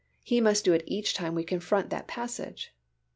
He must do it each time we confront that passage.